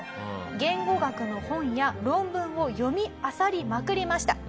言語学の本や論文を読みあさりまくりました。